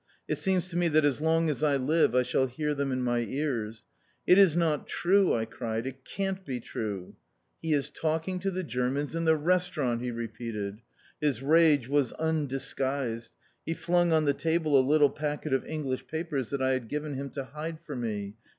It seems to me that as long as I live I shall hear them in my ears. "It is not true." I cried. "It can't be true." "He is talking to the Germans in the Restaurant," he repeated. His rage was undisguised. He flung on the table a little packet of English papers that I had given him to hide for me.